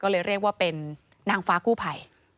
ก็เลยเรียกว่าเป็นนางฟ้ากู้ภัย